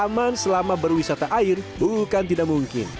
aman selama berwisata air bukan tidak mungkin